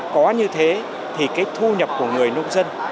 có như thế thì cái thu nhập của người nông dân